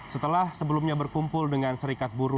setelah sebelumnya berkumpul dengan serikat buruh